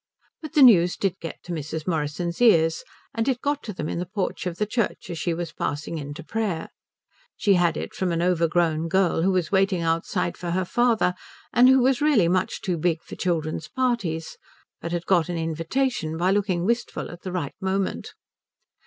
But the news did get to Mrs. Morrison's ears, and it got to them in the porch of the church as she was passing in to prayer. She had it from an overgrown girl who was waiting outside for her father, and who was really much too big for children's parties but had got an invitation by looking wistful at the right moment.